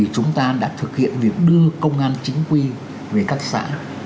chúng ta đã thực hiện việc đưa công an chính quy về các xã